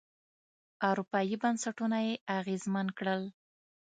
اروپايي بنسټونه یې اغېزمن کړل.